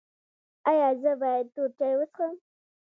ایا زه باید تور چای وڅښم؟